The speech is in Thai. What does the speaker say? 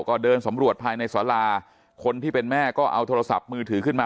ก็เดินสำรวจภายในสาราคนที่เป็นแม่ก็เอาโทรศัพท์มือถือขึ้นมา